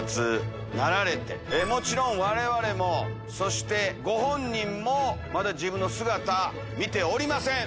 もちろん我々もそしてご本人もまだ自分の姿見ておりません。